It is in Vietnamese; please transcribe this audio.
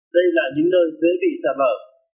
đây là những nơi dễ bị sạt lở